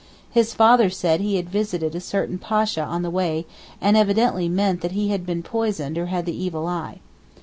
His father said he had visited a certain Pasha on the way and evidently meant that he had been poisoned or had the evil eye.